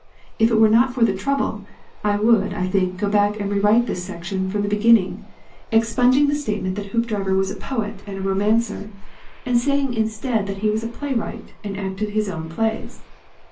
If it were not for the trouble, I would, I think, go back and rewrite this section from the beginning, expunging the statements that Hoopdriver was a poet and a romancer, and saying instead that he was a playwright and acted his own plays.